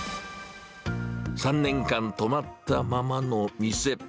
３年間止まったままの店。